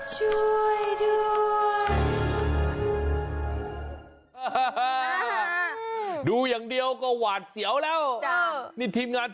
ช่วยด้วยช่วยด้วย